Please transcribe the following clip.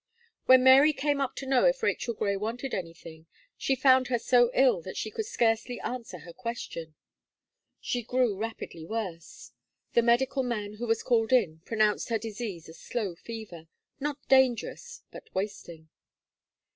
When Mary came up to know if Rachel Gray wanted anything, she found her so ill that she could scarcely answer her question. She grew rapidly worse. The medical man who was called in, pronounced her disease a slow fever, not dangerous, but wasting.